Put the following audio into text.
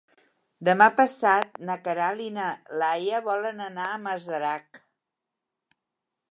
Demà passat na Queralt i na Laia volen anar a Masarac.